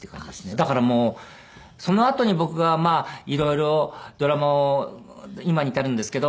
だからもうそのあとに僕が色々ドラマを今に至るんですけど。